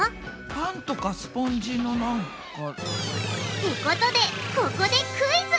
パンとかスポンジのなんか。ってことでここでクイズ！